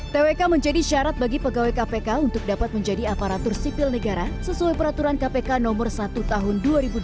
twk menjadi syarat bagi pegawai kpk untuk dapat menjadi aparatur sipil negara sesuai peraturan kpk no satu tahun dua ribu dua puluh